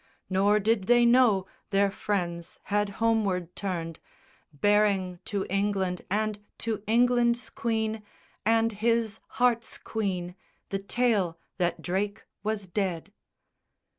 Nor did they know their friends had homeward turned, Bearing to England and to England's Queen, And his heart's queen, the tale that Drake was dead.